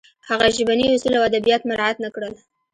هغه ژبني اصول او ادبیات مراعت نه کړل